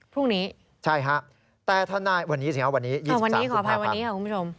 พรุ่งนี้ใช่ครับวันนี้สิครับ๒๓กุมภาพันธ์ขออภัยวันนี้ครับคุณผู้ชม